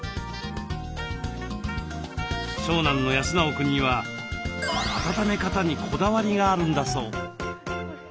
長男の泰直くんには温め方にこだわりがあるんだそう。